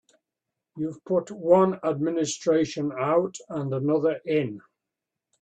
You've put one administration out and another in.